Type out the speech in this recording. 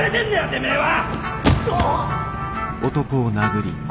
てめえは！